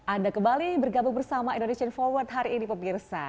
anda kembali bergabung bersama indonesian forward hari ini pemirsa